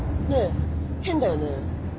ねえ変だよね。